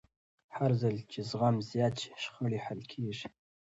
هرځل چې زغم زیات شي، شخړې حل کېږي.